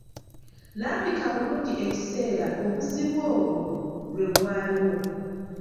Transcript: Lambika bulungi ekiseera obuzibu obwo lwe bwaliwo.